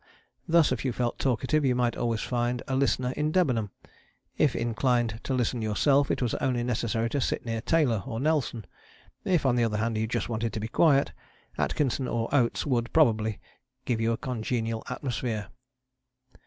Thus if you felt talkative you might always find a listener in Debenham; if inclined to listen yourself it was only necessary to sit near Taylor or Nelson; if, on the other hand, you just wanted to be quiet, Atkinson or Oates would, probably, give you a congenial atmosphere.